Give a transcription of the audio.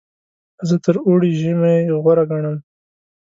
زه تر اوړي ژمی غوره ګڼم.